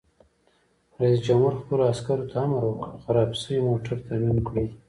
رئیس جمهور خپلو عسکرو ته امر وکړ؛ خراب شوي موټر ترمیم کړئ!